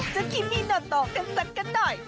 จะคิมมี่โหนโตสัดหน่อย